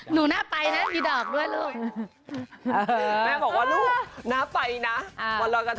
หนูหน้าไปเนี่ยมีดอกด้วยลูก